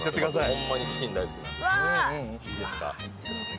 ほんまにチキン大好きなので。